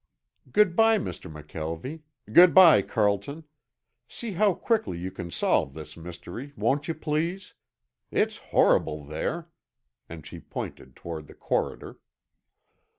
"Good by, Mr. McKelvie. Good by, Carlton. See how quickly you can solve this mystery, won't you please? It's horrible there!" and she pointed toward the corridor.